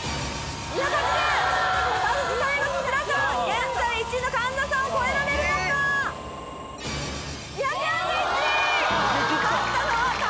現在１位の神田さんを超えられるのか⁉２４１！